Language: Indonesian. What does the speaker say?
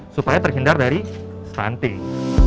supaya terhindar dari stunting